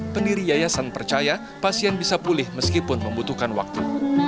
pendiri yayasan percaya pasien bisa pulih meskipun membutuhkan waktu